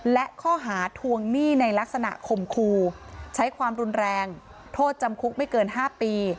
และข้อหาทวงหนี้ในลักษณะข่มคูใช้ความรุนแรงโทษจำคุกไม่เกิน๕ปี